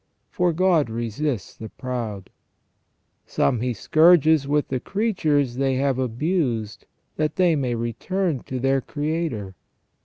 For, "God resists the proud ". Some He scourges with the creatures they have abused, that they may return to their Creator.